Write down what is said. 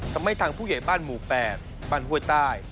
ทำให้ทางผู้ใหญ่บ้านหมู่๘บ้านห้วยใต้